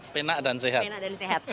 penak dan sehat